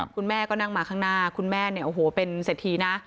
คุณแม่ก็นั่งมาข้างหน้าคุณแม่เนี่ยโอ้โหเป็นเศรษฐีนะ